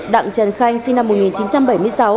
đặng trần khanh sinh năm một nghìn chín trăm bảy mươi sáu